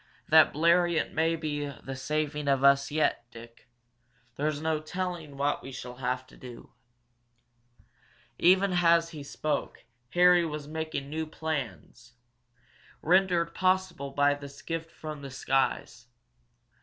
"That Bleriot maybe the saving of us yet, Dick. There's no telling what we shall have to do." Even as he spoke, Harry was making new plans, rendered possible by this gift from the skies.